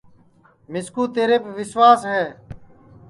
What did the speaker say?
مِسکُو تیریپ وسواس ہے